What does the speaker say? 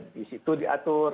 di situ diatur